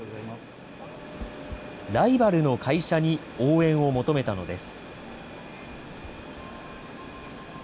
ライバルの会社に応援を求めたのです。